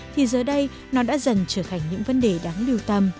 thì giờ đây nó đã dần trở thành những vấn đề đáng lưu tâm